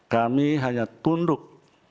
kami hanya tunduk